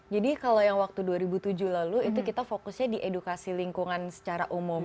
jadi kalau yang waktu dua ribu tujuh lalu itu kita fokusnya di edukasi lingkungan secara umum